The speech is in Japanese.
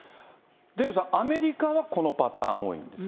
デーブさん、アメリカはこのパターン、多いんですか？